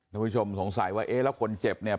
ผู้ชมสงสัยว่าเอ๊ะแล้วคนเจ็บเนี่ย